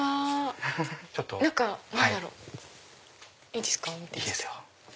いいですよ。